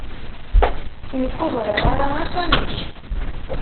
Nekk ur ẓriɣ ara akk amek.